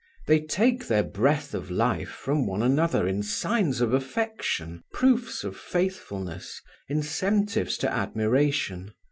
They take their breath of life from one another in signs of affection, proofs of faithfulness, incentives to admiration.